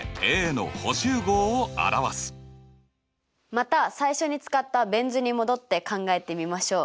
また最初に使ったベン図に戻って考えてみましょう。